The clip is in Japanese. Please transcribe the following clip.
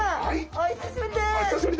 お久しぶりです。